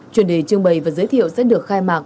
chuyên đề trưng bày và giới thiệu sẽ được khai mạc